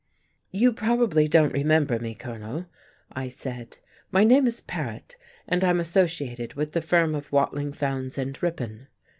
"You probably don't remember me, Colonel," I said. "My name is Pared, and I'm associated with the firm of Watling, Fowndes, and Ripon."